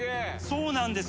そうなんです。